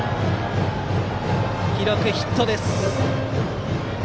記録はヒットです。